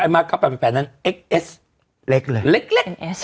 ไอมาก็แปลงแปลงถึงเอ็กเอ็สเล็กเลยเหล็กเล็กเอ็กเอ็ส